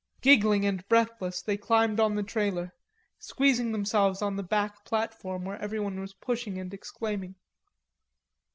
Giggling and breathless they climbed on the trailer, squeezing themselves on the back platform where everyone was pushing and exclaiming.